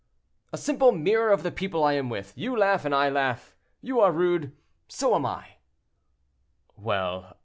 "A simple mirror of the people I am with. You laugh, and I laugh; you are rude, so am I." "Well!